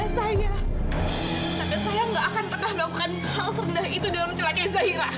tapi saya nggak akan pernah melakukan hal serendah itu dalam celaka zairah